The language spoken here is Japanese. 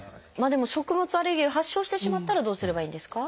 でも食物アレルギーを発症してしまったらどうすればいいんですか？